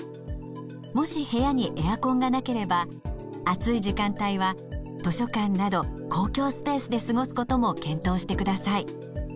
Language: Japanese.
もし部屋にエアコンがなければ暑い時間帯は図書館など公共スペースで過ごすことも検討してください。